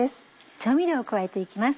調味料を加えて行きます。